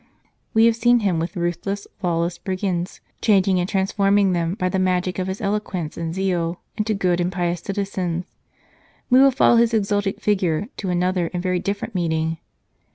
We have seen him with ruthless, lawless brigands, changing and transforming them by the magic of his eloquence and zeal into good and pious citizens ; we will follow his exalted figure to another and very different meeting.